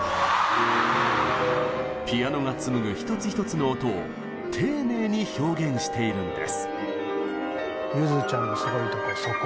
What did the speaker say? ピアノが紡ぐ１つ１つの音を丁寧に表現しているんです。